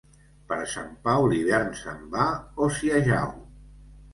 Per Sant Pau l'hivern se'n va o s'hi ajau.